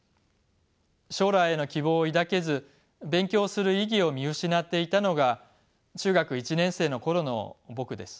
将来への希望を抱けず勉強する意義を見失っていたのが中学１年生の頃の僕です。